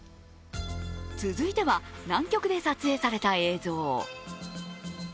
続いては南極で撮影された映像。